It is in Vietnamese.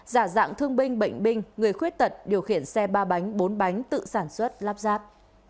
giả dạng thương binh bệnh binh người khuyết tật điều khiển xe ba bánh bốn bánh tự sản xuất lắp ráp